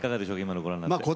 今のご覧になって。